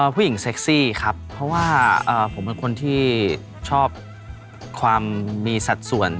เซ็กซี่ครับเพราะว่าผมเป็นคนที่ชอบความมีสัดส่วน